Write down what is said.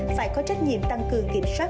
phải có trách nhiệm tăng cường kiểm soát